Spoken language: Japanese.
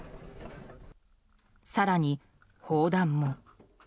更に、砲弾も。